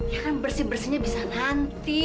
ya kan bersih bersihnya bisa nanti